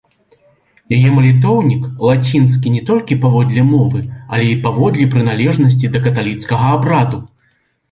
Яе малітоўнік лацінскі не толькі паводле мовы, але і паводле прыналежнасці да каталіцкага абраду.